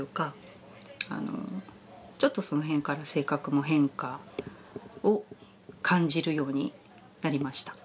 ちょっとその辺から性格も変化を感じるようになりました。